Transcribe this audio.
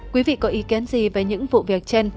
quý vị có ý kiến gì về những vụ việc trên